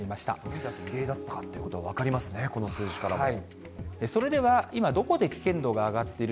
とにかく異例だったということが分かりますね、この数字から見ても。